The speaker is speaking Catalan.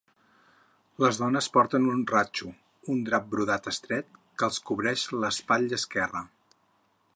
Les dones porten un "rachu", un drap brodat estret que els cobreix l'espatlla esquerra.